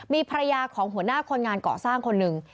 มีภรรยาของหัวหน้าคนงานเกาะสร้างคนหนึ่ง